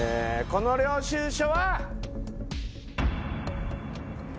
この領収書は。